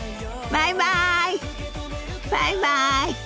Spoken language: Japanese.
バイバイ。